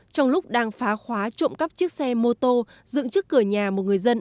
trong lúc đang phá khóa trộm cắp chiếc xe mô tô dựng trước cửa nhà một người dân